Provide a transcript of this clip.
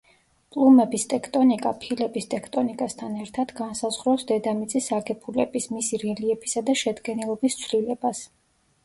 პლუმების ტექტონიკა, ფილების ტექტონიკასთან ერთად, განსაზღვრავს დედამიწის აგებულების, მისი რელიეფისა და შედგენილობის ცვლილებას.